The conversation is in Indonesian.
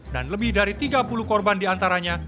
dan lebih dari tiga puluh korban diantaranya